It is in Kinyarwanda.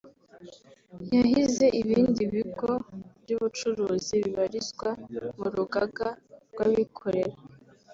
yahize ibindi bigo by’ubucuruzi bibarizwa mu rugaga rw’abikorera